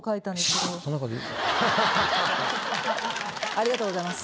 ありがとうございます。